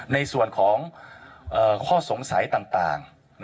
ในส่วนของข้อสงสัยต่าง